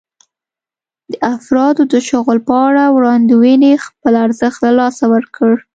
د افرادو د شغل په اړه وړاندوېنې خپل ارزښت له لاسه ورکړ.